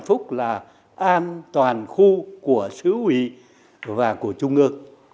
vạn phúc là an toàn khu của xứ ủy và của trung ương